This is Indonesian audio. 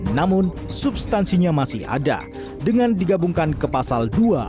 namun substansinya masih ada dengan digabungkan ke pasal dua ratus empat puluh